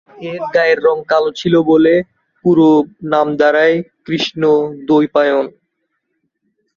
এঁর গায়ের রং কালো ছিল বলে, পুরো নাম দাঁড়ায় কৃষ্ণ-দ্বৈপায়ন।